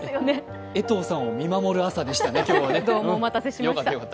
江藤さんを見守る朝でしたね、今日はね。